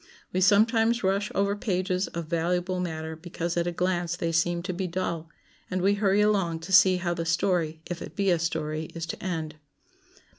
We sometimes rush over pages of valuable matter because at a glance they seem to be dull, and we hurry along to see how the story, if it be a story, is to end.